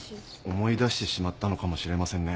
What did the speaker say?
思い出してしまったのかもしれませんね。